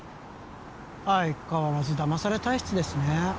相変わらず騙され体質ですね